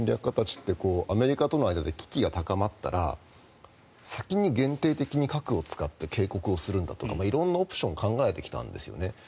家たちってアメリカとの間で危機が高まったら先に限定的に核を使って警告をするんだとか色んなオプションを考えてきたんですよね。